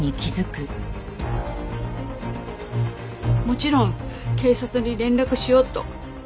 もちろん警察に連絡しようと。